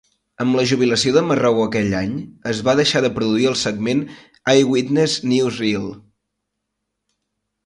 Amb la jubilació de Marriou aquell any, es va deixar de produir el segment "Eyewitness Newsreel".